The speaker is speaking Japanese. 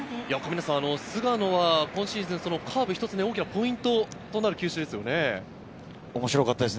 菅野は今シーズン、カーブ、一つ大きなポイントとなる球種で面白かったです。